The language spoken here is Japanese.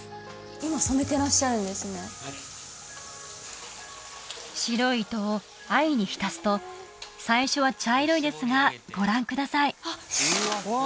今染めてらっしゃるんですねはい白い糸を藍に浸すと最初は茶色いですがご覧くださいあっ！